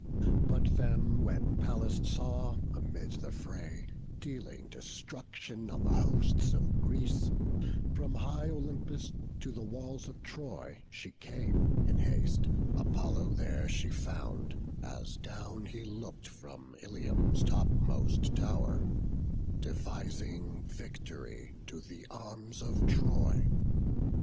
But them when Pallas saw, amid the fray Dealing destruction on the hosts of Greece, From high Olympus to the walls of Troy She came in haste; Apollo there she found, As down he look'd from Ilium's topmost tow'r, Devising vict'ry to the arms of Troy.